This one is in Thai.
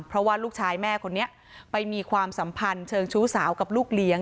เพราะว่าลูกชายแม่คนนี้ไปมีความสัมพันธ์เชิงชู้สาวกับลูกเลี้ยง